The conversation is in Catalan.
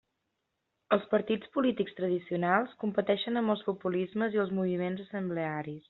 Els partits polítics tradicionals competeixen amb els populismes i els moviments assemblearis.